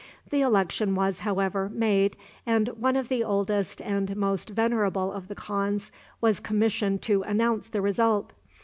The election was, however, made, and one of the oldest and most venerable of the khans was commissioned to announce the result.